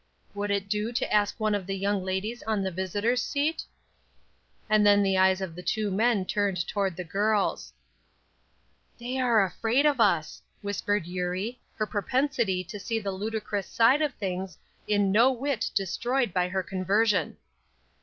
"Would it do to ask one of the young ladies on the visitors' seat?" And then the eyes of the two men turned toward the girls. "They are afraid of us," whispered Eurie, her propensity to see the ludicrous side of things in no whit destroyed by her conversion.